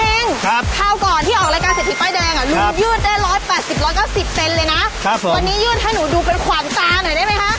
วันนี้ยืดให้หนูดูเป็นขวางตาหน่อยได้ไหมคะ